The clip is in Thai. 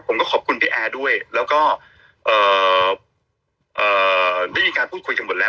ผมก็ขอบคุณพี่แอร์ด้วยแล้วก็ได้มีการพูดคุยกันหมดแล้ว